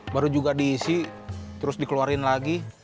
baru juga diisi terus dikeluarin lagi